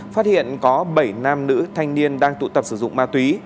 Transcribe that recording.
phát hiện có bảy nam nữ thanh niên đang tụ tập sử dụng ma túy